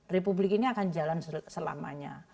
republik ini akan jalan selamanya